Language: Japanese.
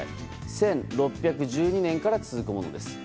１６１２年から続くものです。